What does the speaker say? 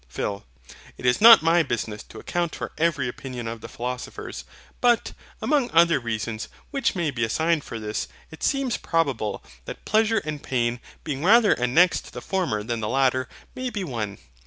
PHIL. It is not my business to account for every opinion of the philosophers. But, among other reasons which may be assigned for this, it seems probable that pleasure and pain being rather annexed to the former than the latter may be one.